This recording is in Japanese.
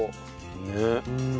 ねっ。